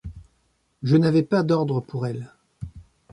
Je n’avais pas d’ordre pour elle.